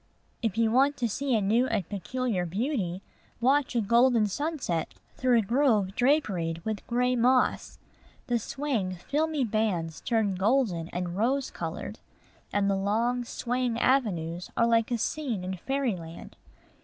If you want to see a new and peculiar beauty, watch a golden sunset through a grove draperied with gray moss. The swaying, filmy bands turn golden and rose colored; and the long, swaying avenues are like a scene in fairyland.